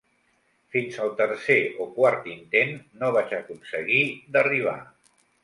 Fins al tercer o quart intent no vaig aconseguir d'arribar